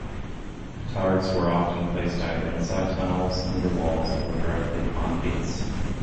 Petards were often placed either inside tunnels under walls, or directly upon gates.